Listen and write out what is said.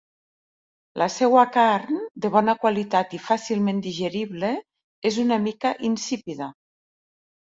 La seua carn, de bona qualitat i fàcilment digerible és una mica insípida.